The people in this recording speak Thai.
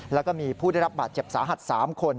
แล้วก็มีผู้ได้รับบาดเจ็บสาหัส๓คน